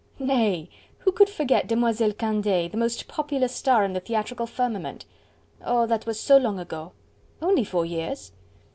"Nay! who could forget Demoiselle Candeille, the most popular star in the theatrical firmament?" "Oh! that was so long ago." "Only four years."